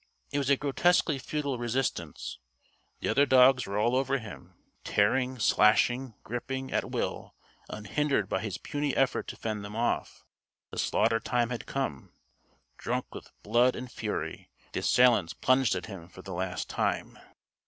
It was a grotesquely futile resistance. The other dogs were all over him tearing, slashing, gripping, at will unhindered by his puny effort to fend them off. The slaughter time had come. Drunk with blood and fury, the assailants plunged at him for the last time.